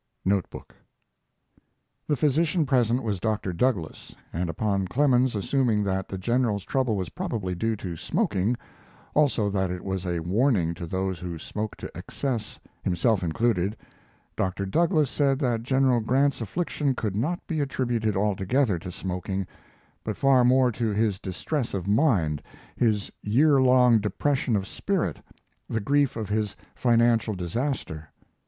[Note book.] The physician present was Dr. Douglas, and upon Clemens assuming that the General's trouble was probably due to smoking, also that it was a warning to those who smoked to excess, himself included, Dr. Douglas said that General Grant's affliction could not be attributed altogether to smoking, but far more to his distress of mind, his year long depression of spirit, the grief of his financial disaster.